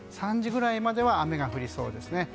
３時ぐらいまでは雨が降りそうですね。